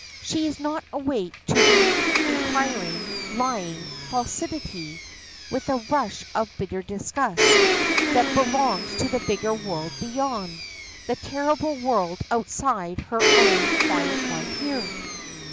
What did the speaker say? "She is not awake to all the intriguing, lying, falsity," with a rush of bitter disgust, "that belongs to the bigger world beyond the terrible world outside her own quiet one here."